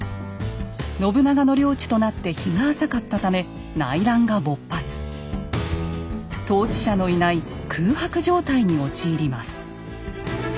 信長の領地となって日が浅かったため統治者のいない空白状態に陥ります。